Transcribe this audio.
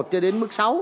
cho đến mức sáu